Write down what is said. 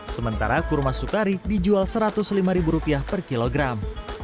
sementara kurma sukari dijual rp satu ratus lima per kilogram